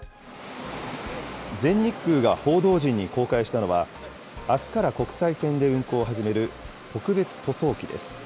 全日空が報道陣に公開したのは、あすから国際線で運航を始める特別塗装機です。